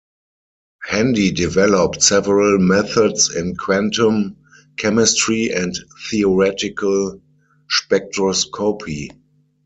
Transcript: Handy developed several methods in quantum chemistry and theoretical spectroscopy.